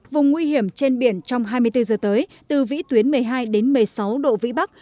vùng nguy hiểm trên biển trong hai mươi bốn giờ tới từ vĩ tuyến một mươi hai đến một mươi sáu độ vĩ bắc